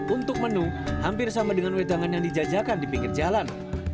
untuk menu hampir sama dengan wedangan yang dijajakan di pinggir jalan